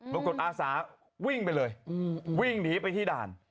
อาสาวิ่งไปเลยวิ่งหนีไปที่ด่าน